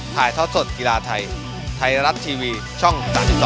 ถ่ายทอดสดกีฬาไทยไทยรัฐทีวีช่อง๓๒